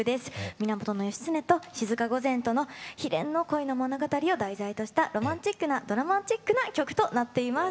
源義経と静御前との悲恋の恋の物語を題材としたロマンチックなドラマチックな曲となっています。